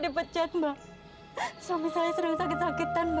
kalau saya dipecat mbak suami saya sedang sakit sakitan mbak